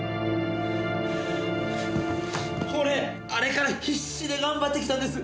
俺あれから必死で頑張ってきたんです。